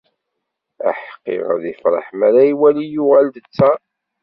Aḥeqqi ad ifreḥ mi ara iwali yuɣal-d ttar.